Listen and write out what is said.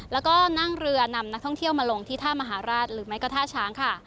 แล้วก็นั่งเรือนำนักท่องเที่ยวมาลงที่ท่ามหาราชหรือแม้ก็ท่าช้างค่ะ